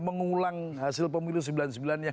mengulang hasil pemilu sembilan puluh sembilan nya